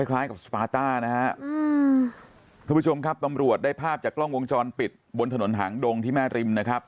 คล้ายกับสปาต้านะฮะอืมทุกผู้ชมครับตำรวจได้ภาพจากกล้องวงจรปิดบนถนนหางดงที่แม่ริมนะครับ